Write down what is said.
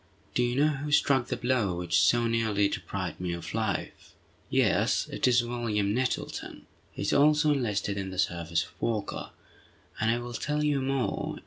Do you know who struck the blow which so nearly deprived me of life?" "Yes; it was William Nettleton! He is also enlisted in the service of Walker. And I will tell you more.